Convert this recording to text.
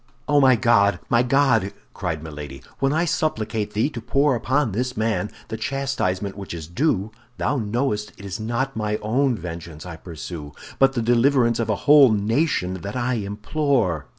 "Oh, my God, my God!" cried Milady; "when I supplicate thee to pour upon this man the chastisement which is his due, thou knowest it is not my own vengeance I pursue, but the deliverance of a whole nation that I implore!"